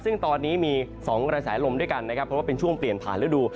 ซึ่งตอนนี้มี๒กระแสลมด้วยกันนะครับเพราะว่าเป็นช่วงเปลี่ยนผ่านฤดู